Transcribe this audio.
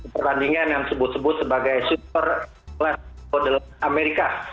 pertandingan yang disebut sebagai super class of america